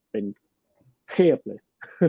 เป็นเทพเลย